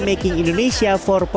making indonesia empat